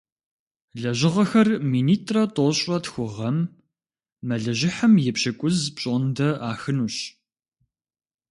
Лэжьыгъэхэр минитӏрэ тӏощӏрэ тху гъэм мэлыжьыхьым и пщыкӀуз пщӀондэ Ӏахынущ.